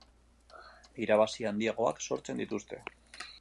irabazi handiagoak sortzen dituzte